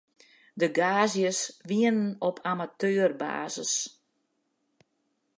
De gaazjes wienen op amateurbasis.